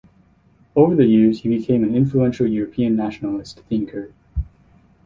Over the years he became an influential European nationalist thinker.